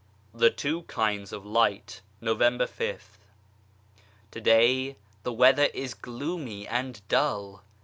THE TWO KINDS OF LIGHT November $th. DAY the weather is gloomy and dull